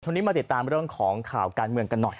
ช่วงนี้มาติดตามของข่าวการเมืองกันหน่อย